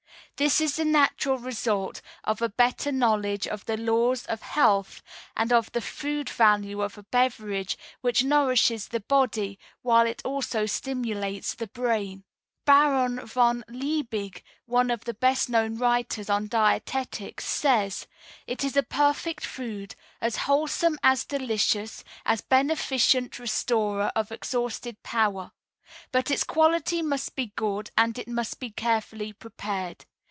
This is the natural result of a better knowledge of the laws of health, and of the food value of a beverage which nourishes the body while it also stimulates the brain. Baron von Liebig, one of the best known writers on dietetics, says: "It is a perfect food, as wholesome as delicious, a beneficient restorer of exhausted power; but its quality must be good and it must be carefully prepared.